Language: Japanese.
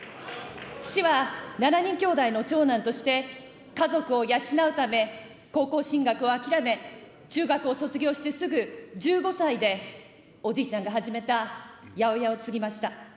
父は７人きょうだいの長男として、家族を養うため高校進学を諦め、中学を卒業してすぐ、１５歳でおじいちゃんが始めた八百屋を継ぎました。